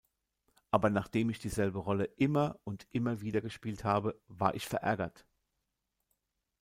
Aber nachdem ich dieselbe Rolle immer und immer wieder gespielt habe, war ich verärgert.